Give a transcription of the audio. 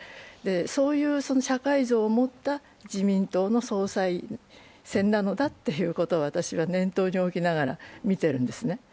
そういう社会像を持った自民党の総裁選なのだということを私は念頭に置きながら見てるんですね。